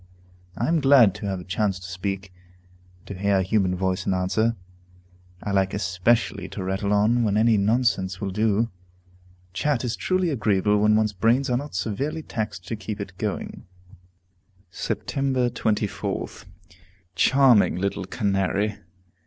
I am glad to have a chance to speak, and to hear a human voice in answer. I like especially to rattle on when any nonsense will do. Chat is truly agreeable when one's brains are not severely taxed to keep it going." Sept. 24th. Charming little Canary!